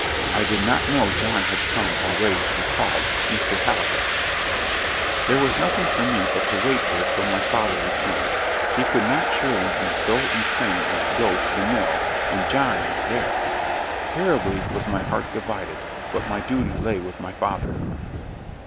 I did not know John had come already to be called "Mr. Halifax." There was nothing for me but to wait here till my father returned. He could not surely be so insane as to go to the mill and John was there. Terribly was my heart divided, but my duty lay with my father.